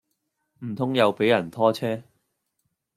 唔通又俾人拖車